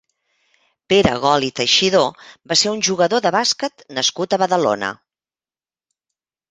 Pere Gol i Teixidor va ser un jugador de bàsquet nascut a Badalona.